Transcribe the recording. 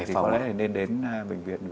thì có lẽ là nên đến bệnh viện